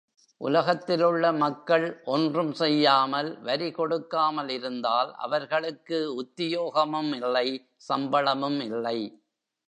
உலகத்திலுள்ள மக்கள் ஒன்றும் செய்யாமல், வரி கொடுக்காமல் இருந்தால், அவர்களுக்கு உத்தியோகமும் இல்லை சம்பளமும் இல்லை.